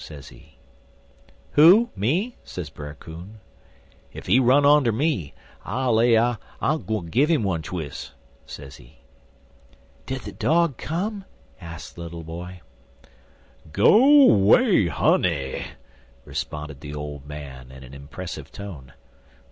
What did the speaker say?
sezee. "'Who? me?' sez Brer Coon. 'Ef he run up onter me, I lay I give 'im one twis',' sezee." "Did the dog come?" asked the little boy. "Go 'way, honey!" responded the old man, in an impressive tone.